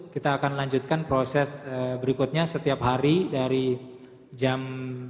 kita akan lanjutkan proses berikutnya setiap hari dari jam